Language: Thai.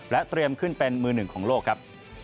เตรียมขึ้นเป็นมือหนึ่งของโลกครับ